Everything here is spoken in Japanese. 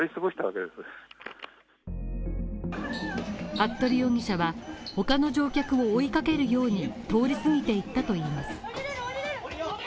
服部容疑者は他の乗客を追いかけるように通り過ぎていったといいます。